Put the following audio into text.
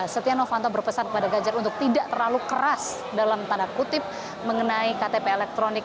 setia novanto berpesan kepada ganjar untuk tidak terlalu keras dalam tanda kutip mengenai ktp elektronik